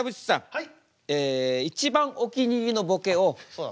はい。